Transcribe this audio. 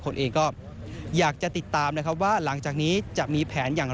คนเองก็อยากจะติดตามนะครับว่าหลังจากนี้จะมีแผนอย่างไร